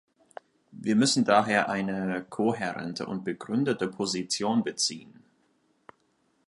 Wir müssen daher eine kohärente und begründete Position beziehen.